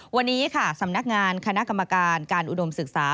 วันนี้ค่ะสำนักงานคณะกรรมการการอุดมศึกษา